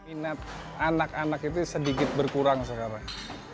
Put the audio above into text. minat anak anak itu sedikit berkurang sekarang